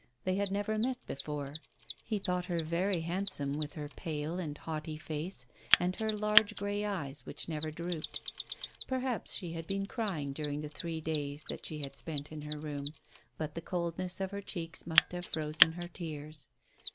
They had never met before. He thought her very handsome, with her pale and haughty face, and her large gray eyes which never drooped. Perhaps she had been crying during the three days that she had spent in her room ; but the coldness of her cheeks must have frozen her tears.